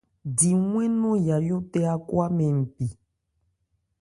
Di wɛ́n nɔ̂n Yayó tɛ ákwámɛn npi.